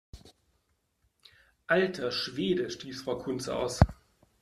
Alter Schwede!, stieß Frau Kunze aus.